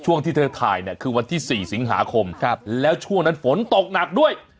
ที่เธอถ่ายเนี่ยคือวันที่๔สิงหาคมแล้วช่วงนั้นฝนตกหนักด้วย